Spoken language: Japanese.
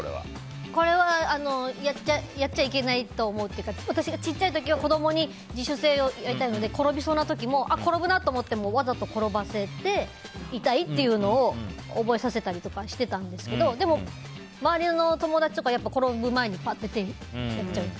これは、やっちゃいけないと思うというか私が小さい時は子供に自主性をやりたいので転びそうな時もあ、転ぶなと思ってもわざと転ばせて痛いっていうのを覚えさせたりとかしてたんですけどでも、周りの友達とか転ぶ前にぱっと手を出しちゃう。